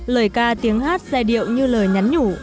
lời ca tiếng hát xe điệu như lời nhắn nhủ